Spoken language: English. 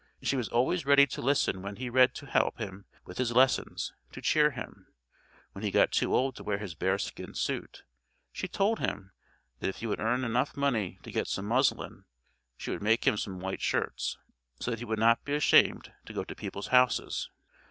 She was always ready to listen when he read, to help him with his lessons, to cheer him. When he got too old to wear his bearskin suit she told him that if he would earn enough money to get some muslin, she would make him some white shirts, so that he would not be ashamed to go to people's houses.